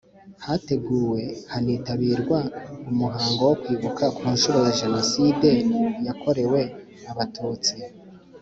Hateguwe hanitabirwa umuhango wo kwibuka ku nshuro ya jenoside yakorewe abatutsi